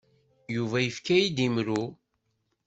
Yuba yefka-iyi-d imru.